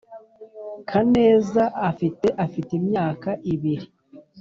kaneza afite afite imyaka ibiri